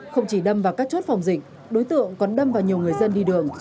không chỉ đâm vào các chốt phòng dịch đối tượng còn đâm vào nhiều người dân đi đường